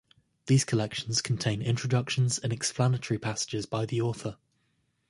These collections contain introductions and explanatory passages by the author.